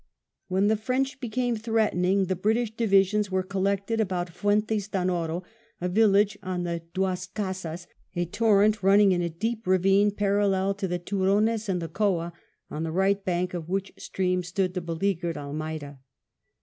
When the French became threatening, the British divisions were collected about Fuentes d'Onoro, a village on the Duas Casas, a torrent running in a deep ravine parallel to the Turones and the Coa, on the right bank of which stream stood the beleagured Almeida.